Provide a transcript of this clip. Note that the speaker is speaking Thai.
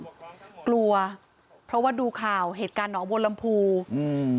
มีความเป็นห่วงกลัวเพราะว่าดูข่าวเหตุการณ์หนอโบรรณภูมิ